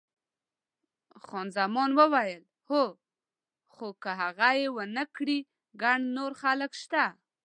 خان زمان وویل، هو، خو که هغه یې ونه کړي ګڼ نور خلک شته.